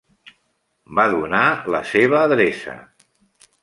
Va donar la seva adreça.